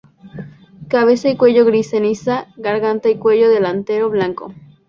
Cabeza y cuello gris ceniza; garganta y cuello delantero blanco.